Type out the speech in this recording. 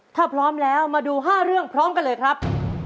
ถ้าพร้อมแล้วมาดู๕เรื่องพร้อมกันเลยครับ